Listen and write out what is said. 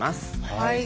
はい。